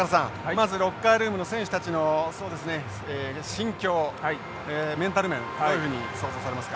まずロッカールームの選手たちのそうですね心境メンタル面どういうふうに想像されますか？